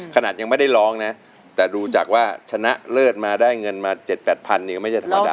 ขนาดยังไม่ได้ร้องนะแต่ดูจากว่าชนะเลิศมาได้เงินมา๗๘พันเนี่ยก็ไม่ใช่ธรรมดา